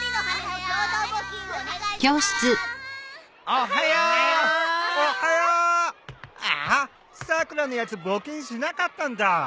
おはよう！あっさくらのやつ募金しなかったんだ。